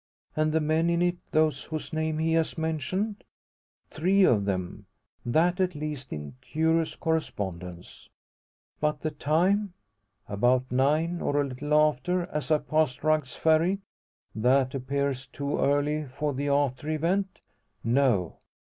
And the men in it those whose names he has mentioned? Three of them that at least in curious correspondence! But the time? About nine, or a little after, as I passed Rugg's Ferry. That appears too early for the after event? No!